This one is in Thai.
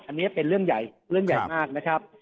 อันนี้เป็นเรื่องใหญ่เรื่องใหญ่มากนะครับ